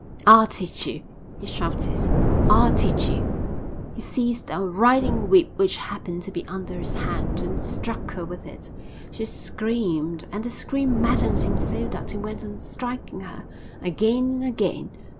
"I'll teach you," he shouted. "I'll teach you." He seized a riding whip which happened to be under his hand, and struck her with it. She screamed, and the scream maddened him so that he went on striking her, again and again.